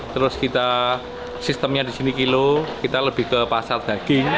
terus kita sistemnya di sini kilo kita lebih ke pasar daging